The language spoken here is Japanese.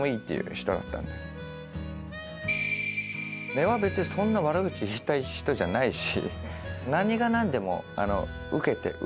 根は別に悪口言いたい人じゃないし。